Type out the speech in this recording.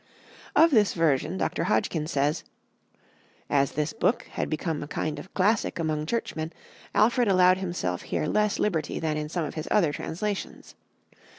Of this version Dr. Hodgkin says: "As this book had become a kind of classic among churchmen, Alfred allowed himself here less liberty than in some of his other translations.